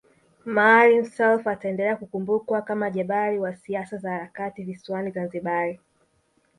Maalim Self ataendelea kukumbukwa kama jabali wa siasa za harakati visiwani Zanzibari